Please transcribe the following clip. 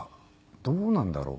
どうなんだろう？